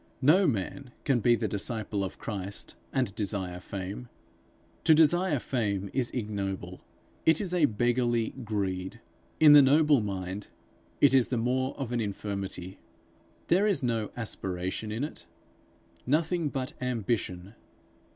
No man can be the disciple of Christ and desire fame. To desire fame is ignoble; it is a beggarly greed. In the noble mind, it is the more of an infirmity. There is no aspiration in it nothing but ambition.